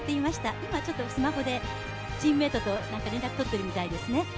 今、スマホでチームメイトと連絡取ってるみたいですね。